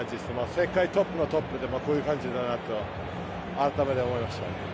世界トップのトップってこういう感じだなと改めて思いました。